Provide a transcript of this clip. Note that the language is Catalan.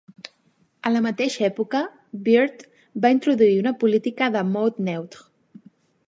A la mateixa època, Beard va introduir una política de "mode neutre".